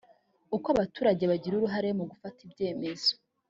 uko abaturage bagira uruhare mu gufata ibyemezo